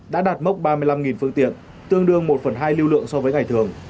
đã đạt mốc ba mươi năm phương tiện tương đương một phần hai lưu lượng so với ngày thường